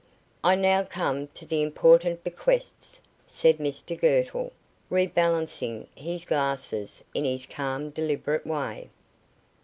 "I now come to the important bequests," said Mr Girtle, rebalancing his glasses in his calm deliberate way.